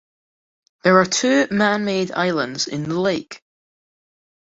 There are two man-made islands in the lake.